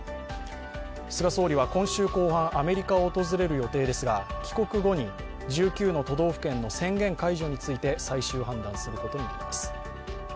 菅総理は今週後半、アメリカを訪れる予定ですが、帰国後に１９の都道府県の宣言解除について最終判断することになります。